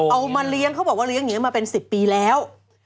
เอามาเลี้ยงเขาบอกว่าเลี้ยงอย่างนี้มาเป็น๑๐ปีแล้ว